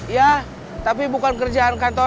iya tapi bukan kerjaan kantoran